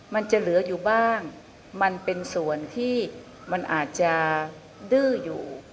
มันจะเหลืออยู่บ้างมันเป็นส่วนที่มันอาจจะดื้ออยู่